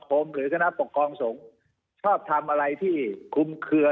หรือคณะปกครองสงฆ์ชอบทำอะไรที่คุมเคลือ